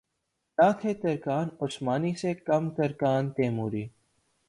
نہ تھے ترکان عثمانی سے کم ترکان تیموری